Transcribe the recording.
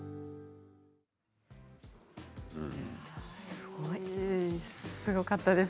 すごい。